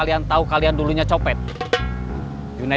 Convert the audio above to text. pilih sepanjang sana